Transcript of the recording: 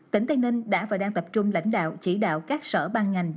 tỉnh tây ninh đã và đang tập trung lãnh đạo chỉ đạo các sở ban ngành